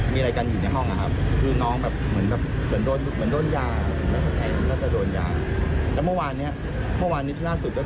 มีรายการอยู่ในห้องนะครับ